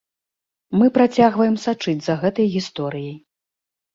Мы працягваем сачыць за гэтай гісторыяй.